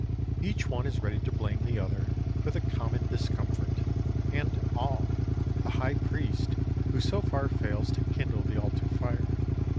Each one is ready to blame the other for the common discomfort, and all, the high priest, who so far fails to kindle the altar fire.